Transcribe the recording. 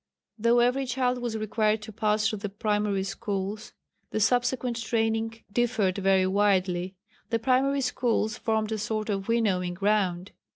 Though every child was required to pass through the primary schools, the subsequent training differed very widely. The primary schools formed a sort of winnowing ground.